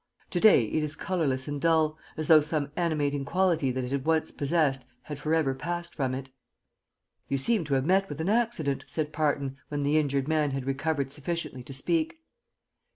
To day it is colorless and dull, as though some animating quality that it had once possessed had forever passed from it. "You seem to have met with an accident," said Parton, when the injured man had recovered sufficiently to speak.